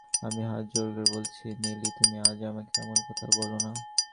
আমি হাত জোড় করে বলছি নেলি, তুমি আজ আমাকে এমন কথা বোলো না।